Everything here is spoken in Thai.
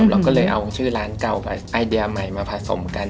เราก็เลยเอาชื่อร้านเก่าไปไอเดียใหม่มาผสมกัน